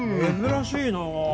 珍しいなあ。